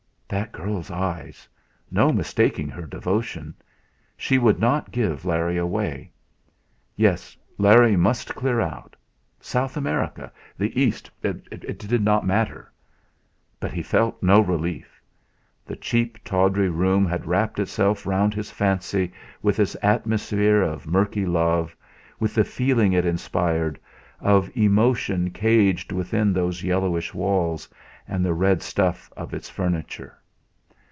That girl's eyes! No mistaking her devotion. She would not give Larry away. Yes! Larry must clear out South America the East it did not matter. But he felt no relief. The cheap, tawdry room had wrapped itself round his fancy with its atmosphere of murky love, with the feeling it inspired, of emotion caged within those yellowish walls and the red stuff of its furniture.